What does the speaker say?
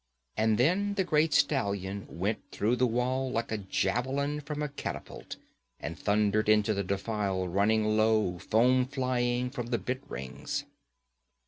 And then the great stallion went through the wall like a javelin from a catapult, and thundered into the defile, running low, foam flying from the bit rings.